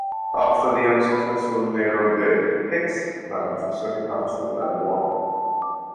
After the unsuccessful mayoral bid, Hicks ran for city council and won.